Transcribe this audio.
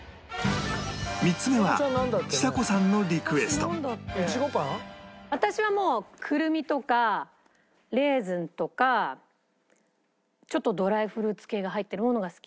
３つ目は私はもうクルミとかレーズンとかちょっとドライフルーツ系が入ってるものが好き。